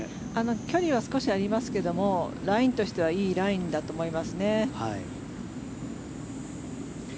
距離は少しありますがラインとしてはいいラインだと思いますね。